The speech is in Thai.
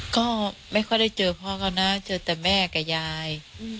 ก็ไม่ค่อยได้เจอพ่อเขานะเจอแต่แม่กับยาย